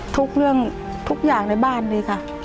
ทุกเรื่องทุกอย่างในบ้านเลยค่ะ